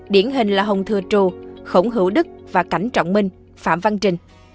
điển hình là hồng thừa trù khổng hữu đức và cảnh trọng minh phạm văn trình